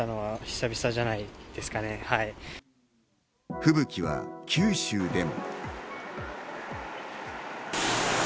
吹雪は九州でも。